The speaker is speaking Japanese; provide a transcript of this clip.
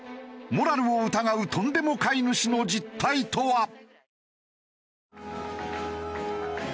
モラルを疑うとんでも飼い主の実態とは？